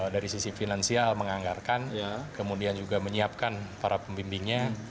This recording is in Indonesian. dari sisi finansial menganggarkan kemudian juga menyiapkan para pembimbingnya